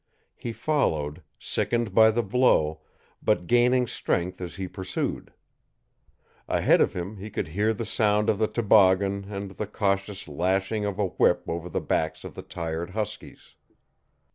He followed, sickened by the blow, but gaining strength as he pursued. Ahead of him he could hear the sound of the toboggan and the cautious lashing of a whip over the backs of the tired huskies.